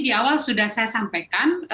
di awal sudah saya sampaikan